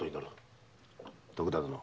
徳田殿。